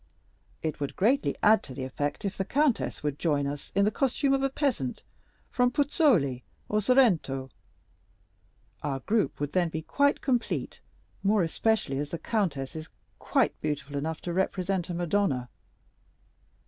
It would add greatly to the effect if the countess would join us in the costume of a peasant from Puzzoli or Sorrento. Our group would then be quite complete, more especially as the countess is quite beautiful enough to represent a Madonna."